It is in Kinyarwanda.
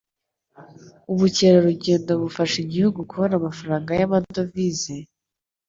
ubukerarugendo bufasha igihugu kubona amafaranga y'amadovize,